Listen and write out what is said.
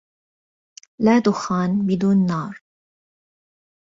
لا دخان بدون نار.